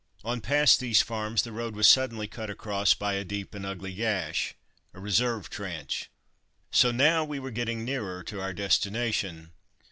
On past these farms the road was suddenly cut across by a deep and ugly gash: a reserve trench. So now we were getting nearer to our destination.